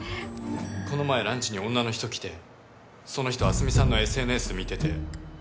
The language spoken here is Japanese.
この前ランチに女の人来てその人明日美さんのＳＮＳ見てて妊娠してる